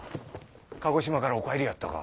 鹿児島からお帰りやったか。